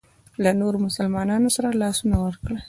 له نورو مسلمانانو سره لاسونه ورکړي.